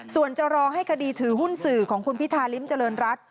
ส่วนจะรอให้คดีถือหุ้นสื่อของคุณพิธาริมเจริญรัฐ